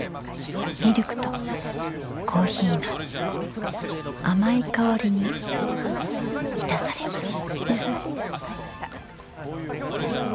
ミルクとコーヒーの甘い香りに満たされますやさしっ。